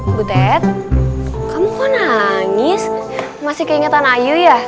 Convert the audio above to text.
ibu ted kamu kok nangis masih keingetan ayu ya